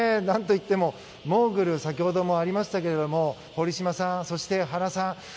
何といってもモーグル先ほどもありましたけれども堀島さん、そして原さん